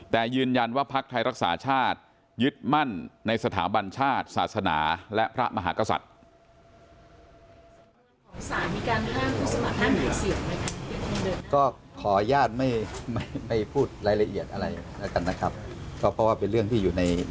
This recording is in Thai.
แต่ยืนยันว่าภักดิ์ไทยรักษาชาติยึดมั่นในสถาบันชาติศาสนาและพระมหากษัตริย์